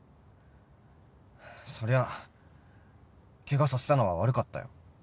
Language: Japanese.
そりゃケガさせたのは悪かったよ。